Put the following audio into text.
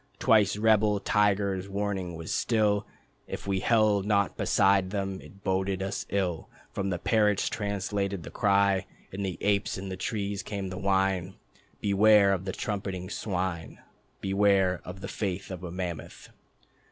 Twice rebel tigers warning was still If we held not beside them it boded us ill. From the parrots translating the cry, And the apes in the trees came the whine: "Beware of the trumpeting swine. Beware of the faith of a mammoth."